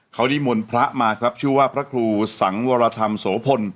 เขานิมนต์พระมาครับชื่อว่าพระครูสังวรธรรมโสพล